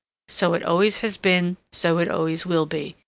So it always has been, so it always will be.